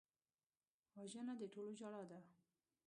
وژنه د ټولو ژړا ده